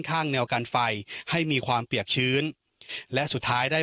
ข้างแนวกันไฟให้มีความเปียกชื้นและสุดท้ายได้